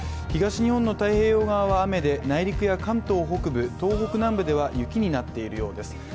東日本の太平洋側は雨で内陸や関東北部、東北南部では雪になっているようです。